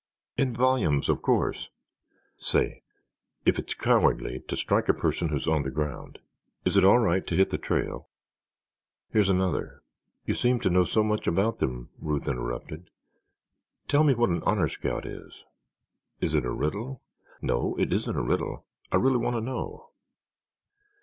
"In volumes, of course. Say, if it's cowardly to strike a person who is on the ground, is it all right to hit the trail? Here's another——" "You seem to know so much about them," Ruth interrupted. "Tell me what an Honor Scout is?" "Is it a riddle?" "No, it isn't a riddle; I really want to know."